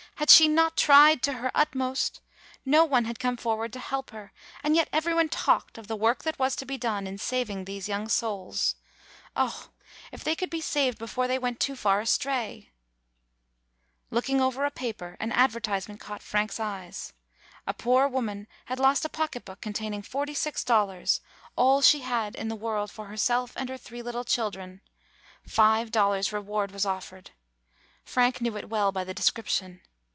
Had she not tried to her ut most? No one had come forward to help her. And yet every one talked of the work that was to be done in saving these young souls. Oh ! 8 — An Easter Lily [ 113 ] AN EASTER LILY if they could be saved before they went too far astray ! Looking over a paper, an advertisement caught Frank's eye. A poor woman had lost a pocketbook containing forty six dollars, all she had in the world for herself and three little children. Five dollars reward was offered. Frank knew it well by the description.